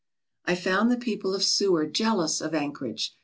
I found the people of Seward jealous of Anchorage.